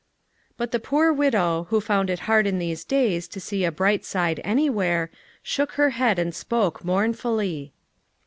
But the poor widow, who found it hard in these days to see a bright side anywhere, shook her head and spoke mournfully.